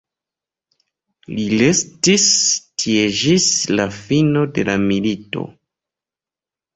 Li restis tie ĝis la fino de la milito.